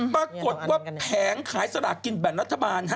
ปรากฏว่าแผงขายสลากกินแบ่งรัฐบาล